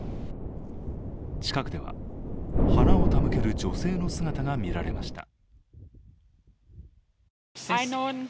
近くでは、花を手向ける女性の姿がみられました。